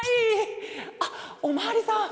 あっおまわりさん。